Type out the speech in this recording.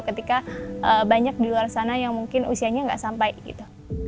ketika banyak di luar sana yang mungkin usianya nggak sampai gitu